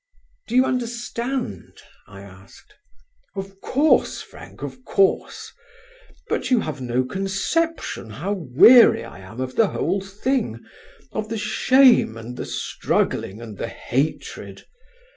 "Do you understand?" I asked. "Of course, Frank, of course, but you have no conception how weary I am of the whole thing, of the shame and the struggling and the hatred.